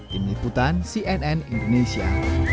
tim liputan cnn indonesia